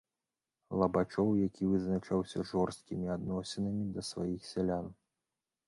Лабачоў, які вызначаўся жорсткімі адносінамі да сваіх сялян.